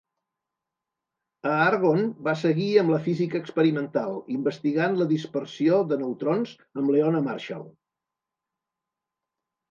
A Argonne va seguir amb la física experimental, investigant la dispersió de neutrons amb Leona Marshall.